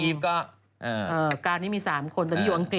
เออกานนี้มี๓คนแต่ที่อยู่อังกฤษ